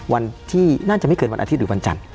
วันที่น่าจะไม่เกินวันอาทิตย์หรือวันจันทร์